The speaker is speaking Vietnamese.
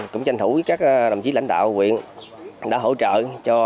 cũng tranh thủ với các đồng chí lãnh đạo huyện đã hỗ trợ cho